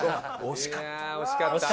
惜しかった。